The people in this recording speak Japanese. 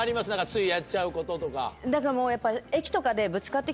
ついやっちゃうこととか。